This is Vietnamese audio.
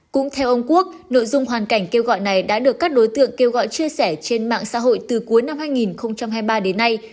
cũng theo ông quốc nội dung hoàn cảnh kêu gọi này đã được các đối tượng kêu gọi chia sẻ trên mạng xã hội từ cuối năm hai nghìn hai mươi ba đến nay